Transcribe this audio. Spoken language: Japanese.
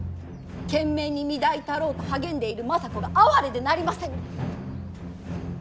懸命に御台たろうと励んでいる政子が哀れでなりませぬ！